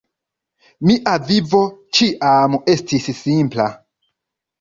Mia vivo ĉiam estis simpla.